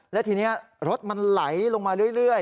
และทีนี้รถมันไหลลงมาเรื่อย